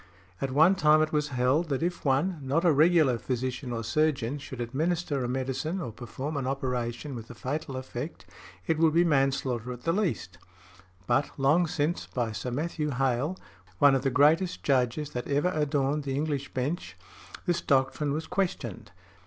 At one time it was held, that if one, not a regular physician or surgeon, should administer a medicine or perform an operation with a fatal effect, it would be manslaughter at the least; but long since, by Sir Matthew Hale, (one of the greatest Judges that ever adorned the English Bench), this doctrine was questioned .